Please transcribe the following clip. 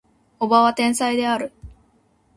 叔母は天才である